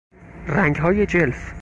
رنگهای جلف